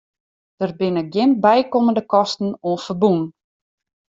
Der binne gjin bykommende kosten oan ferbûn.